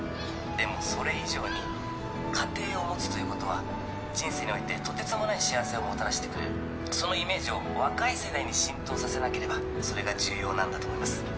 でもそれ以上に家庭を持つということは人生においてとてつもない幸せをもたらしてくれるそのイメージを若い世代に浸透させなければそれが重要なんだと思います